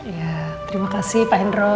ya terima kasih pak hendro